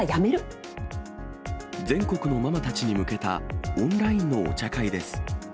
全国のママたちに向けたオンラインのお茶会です。